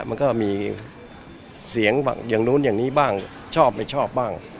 มันก็มีเสียงอย่างนู้นอย่างนี้บ้างชอบไม่ชอบบ้าง